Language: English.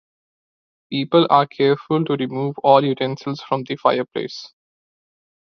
People are careful to remove all utensils from the fireplace.